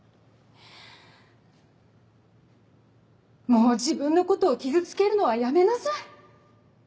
もう自分のことを傷つけるのはやめなさい。